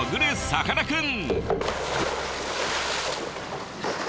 さかなクン！